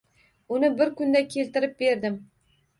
Uni bir kunda keltirib berdim.